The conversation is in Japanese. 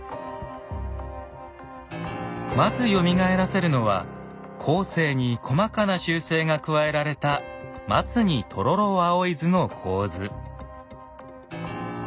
まずよみがえらせるのは後世に細かな修正が加えられた「松に黄蜀葵図」の構図。